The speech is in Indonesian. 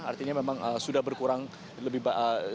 artinya memang sudah berkurang lebih